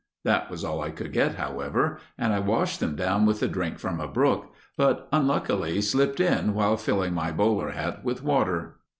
That was all I could get, however, and I washed them down with a drink from a brook, but unluckily slipped in while filling my bowler hat with water.